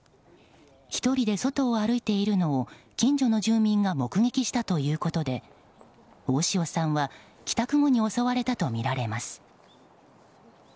１人で外を歩いているのを近所の住人が目撃したということで大塩さんは帰宅後に襲われたとみられます。